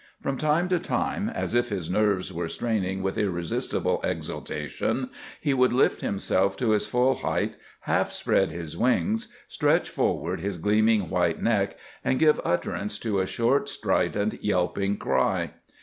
From time to time, as if his nerves were straining with irresistible exultation, he would lift himself to his full height, half spread his wings, stretch forward his gleaming white neck, and give utterance to a short, strident, yelping cry.